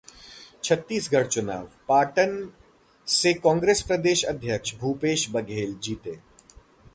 छत्तीसगढ़ चुनाव: पाटन से कांग्रेस प्रदेश अध्यक्ष भूपेश बघेल जीते